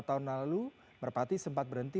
tahun lalu merpati sempat berhenti